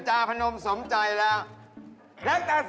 จริงของผมดีหว่า